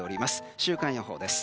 週間予報です。